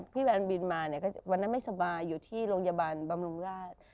พี่แวนบินมาเนี่ยก็วันนั้นไม่สบายอยู่ที่โรงพยาบาลบำรุงราช